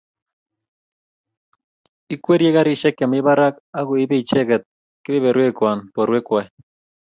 Ikwerie garisiek chemi barak akoibe icheget kebeberwekan borwek Kwai